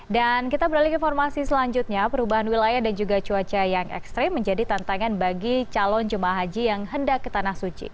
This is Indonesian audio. dan kita beralih ke informasi selanjutnya perubahan wilayah dan juga cuaca yang ekstrim menjadi tantangan bagi calon jemaah haji yang hendak ke tanah suci